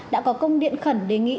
đã có công điện khẩn đề nghị